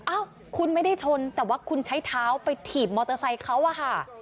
อ้าวคุณไม่ได้ชนแต่ว่าคุณใช้เท้าไปถีบมอเตอร์ไซค์เขาอะค่ะ